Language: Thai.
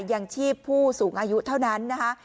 ยังชีพผู้สูงอายุเท่านั้นนะคะ